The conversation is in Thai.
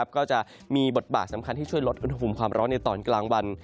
ก็จะมีบทบาทสำคัญที่ช่วยลดอุณหภูมิความร้อนในตอนกลางวัน